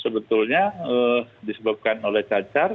sebetulnya disebabkan oleh kacar